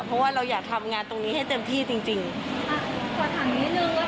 เพราะว่าเราอยากทำงานตรงนี้ให้เต็มที่จริงจริงค่ะขอถามนิดนึงว่า